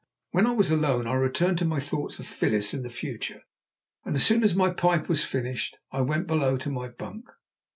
When I was alone I returned to my thoughts of Phyllis and the future, and as soon as my pipe was finished, went below to my bunk.